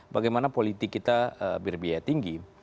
bagaimana politik kita berbiaya tinggi